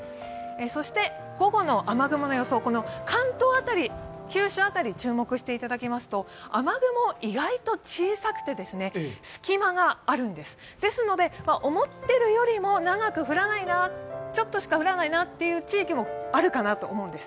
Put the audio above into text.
そして午後の雨雲の予想、関東、九州辺り注目していただきますと雨雲、意外と小さくて、隙間があるんです、ですので、思ってるよりも長く降らない、ちょっとしか降らないなという地域もあると思うんです。